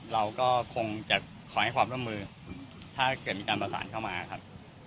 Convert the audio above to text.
เราก็คงจะขอให้ความร่วมมือถ้าเกิดมีการประสานเข้ามาครับ